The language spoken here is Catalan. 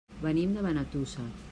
Venim de Benetússer.